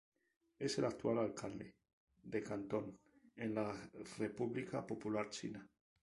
Es el actual Alcalde de Cantón en la República Popular China.